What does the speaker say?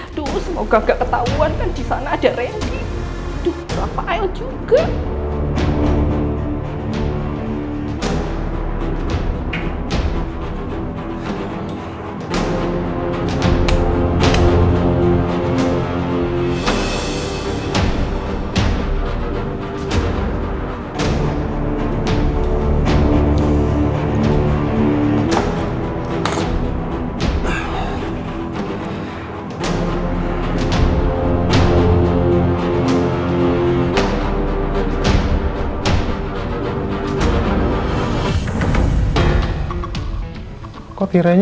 aduh semoga gak ketahuan kan disana ada randy